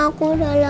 aku udah deletingnya